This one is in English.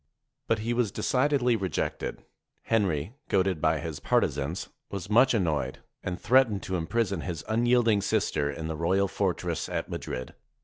But he was decidedly rejected. Henry, goaded by his partisans, was much annoyed, and threatened to im prison his unyielding sister in the royal fortress at Mad rid.